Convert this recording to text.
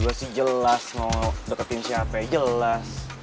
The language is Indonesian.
gue sih jelas mau deketin siapa ya jelas